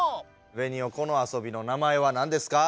ベニオこの遊びの名前はなんですか？